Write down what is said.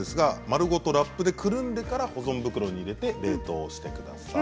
丸ごとラップでくるんでから保存袋に入れて冷凍してください。